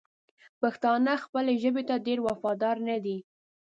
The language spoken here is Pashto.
پښتانه خپلې ژبې ته ډېر وفادار ندي!